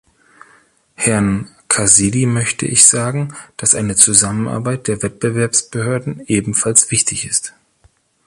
Herrn Cassidy möchte ich sagen, dass eine Zusammenarbeit der Wettbewerbsbehörden ebenfalls wichtig ist.